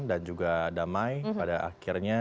dan juga damai pada akhirnya